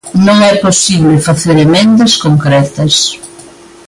Non é posible facer emendas concretas.